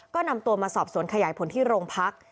ก็นำตัวมาสอบสวนขยายผลที่โรงพัก